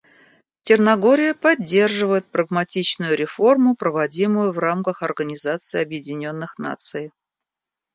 Черногория поддерживает прагматичную реформу, проводимую в рамках Организации Объединенных Наций.